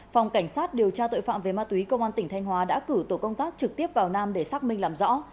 phòng cảnh sát điều tra tội phạm về ma túy công an tỉnh thanh hóa đã cử tổ công tác trực tiếp vào nam để xác minh làm rõ